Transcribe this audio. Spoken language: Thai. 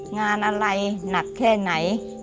งานอะไรหนักแค่ไหน